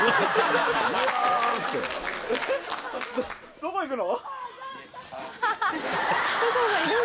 どこ行くの？